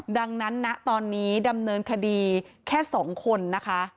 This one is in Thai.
ดังนั้นนะตอนนี้ดำเนินคดีแค่๒คนนะคะ